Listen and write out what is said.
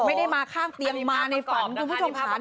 ไม่ได้มาข้างเตียงมาในฝัน